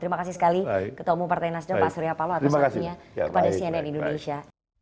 terima kasih sekali ketemu partai nasdem pak surya paloh atas hatinya kepada cnn indonesia